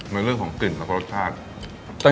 มันเรื่องของกลิ่นและรสชาติ